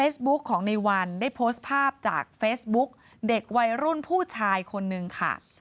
ต์วัยรุ่นผู้ชายคนหนึ่งค่ะ